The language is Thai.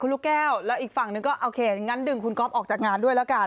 แล้วอีกฝั่งนึงก็โอเคดึงคุณก๊อปออกจากงานด้วยแล้วกัน